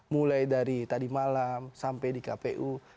mulai dari tadi malam sampai di kpu